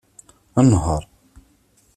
Nheṛ.